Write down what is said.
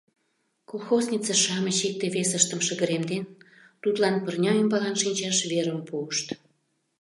Колхознице-шамыч, икте-весыштым шыгыремден, тудлан пырня ӱмбалан шинчаш верым пуышт.